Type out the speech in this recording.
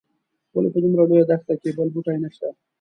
ولې په دومره لویه دښته کې بل بوټی نه شته.